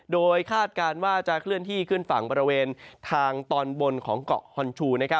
โดยคาดการณ์ว่าจะเคลื่อนที่ขึ้นฝั่งบริเวณทางตอนบนของเกาะฮอนชู